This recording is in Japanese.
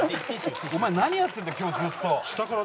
お前何やってんだ今日ずっと。